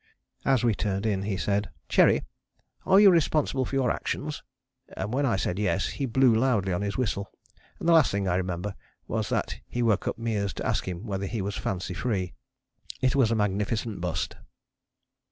As we turned in he said, "Cherry, are you responsible for your actions?" and when I said Yes, he blew loudly on his whistle, and the last thing I remembered was that he woke up Meares to ask him whether he was fancy free. It was a magnificent bust.